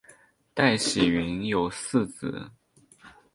戴喜云有四子。